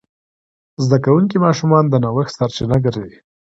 زده کوونکي ماشومان د نوښت سرچینه ګرځي.